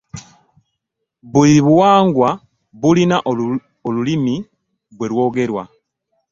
buli buwangwa bulina olulimu bwe lwogerwa.